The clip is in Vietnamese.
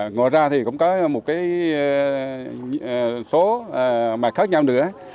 ngoài ra thì cũng có một cái số mặt khác nhau nữa